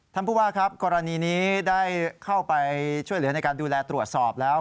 ท่านผู้ว่าครับกรณีนี้ได้เข้าไปช่วยเหลือในการดูแลตรวจสอบแล้ว